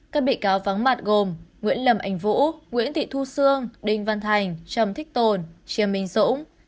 các bị cáo vắng mặt gồm nguyễn lâm anh vũ nguyễn thị thu sương đinh văn thành trầm thích tồn chiêm minh dũng